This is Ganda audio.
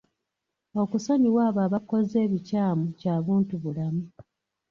Okusonyiwa abo abakkoze ebikyamu kya buntubulamu.